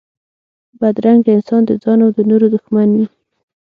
بدرنګه انسان د ځان و نورو دښمن وي